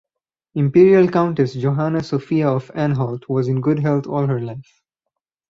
Imperial Countess Johanna Sophia of Anhalt was in good health all her life.